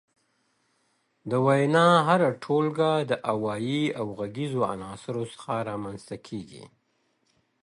د وينا هره ټولګه د اوايي او غږيزو عناصرو څخه رامنځ ته کيږي.